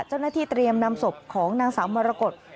เจ้าหน้าที่เตรียมนำศพของนางสาวมรกฏ